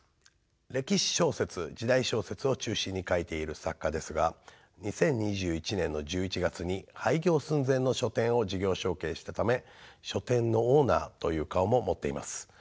歴史小説時代小説を中心に書いている作家ですが２０２１年の１１月に廃業寸前の書店を事業承継したため書店のオーナーという顔も持っています。